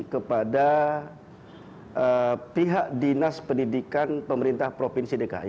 kepada pihak dinas pendidikan pemerintah provinsi dki